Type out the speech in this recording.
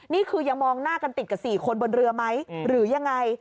นี่คือยังมองหน้ากันติดกับ๔คนบนเรือไหมหรือยังไง